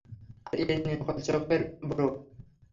আর এই নে নকল চোখের ব্রু।